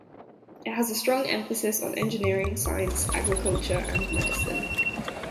It has a strong emphasis on engineering, science, agriculture, and medicine.